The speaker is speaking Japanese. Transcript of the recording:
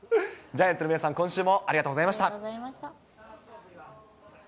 ジャイアンツの皆さん、ありがとうございました。